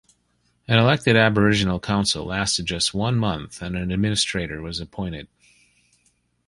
An elected Aboriginal council lasted just one month and an administrator was appointed.